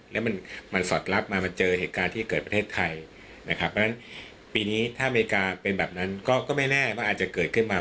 แล้วมันสอดรับมามันเจอเหตุการณ์ที่เกิดประเทศไทยนะครับเพราะฉะนั้นปีนี้ถ้าอเมริกาเป็นแบบนั้นก็ไม่แน่ว่าอาจจะเกิดขึ้นมา